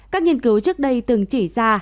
các nghiên cứu trước đây từng chỉ ra